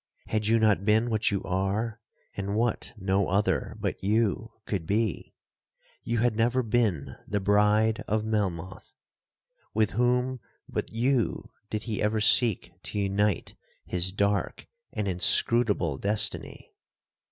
Had you not been what you are, and what no other but you could be, you had never been the bride of Melmoth. With whom but you did he ever seek to unite his dark and inscrutable destiny?